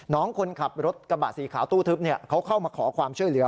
คนขับรถกระบะสีขาวตู้ทึบเขาเข้ามาขอความช่วยเหลือ